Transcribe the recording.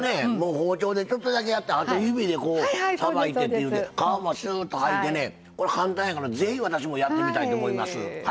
包丁でちょっとだけやってあと指でさばいてって皮もシューッとはいでね簡単やから是非私もやってみたいと思います。